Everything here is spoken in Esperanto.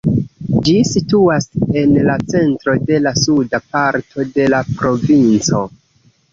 Ĝi situas en la centro de la suda parto de la provinco.